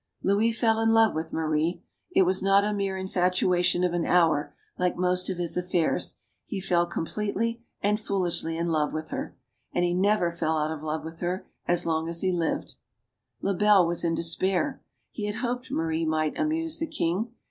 Louis fell in love with Marie. It was not a mere infatuation of an hour, like most of his affairs. He fell completely and foolishly in love with her. And he never fell out of love with her as long as he lived. Lebel was in despair. He had hoped Marie might amuse the king.